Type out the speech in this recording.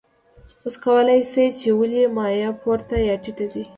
اوس کولی شئ چې ولې مایع پورته یا ټیټه ځي.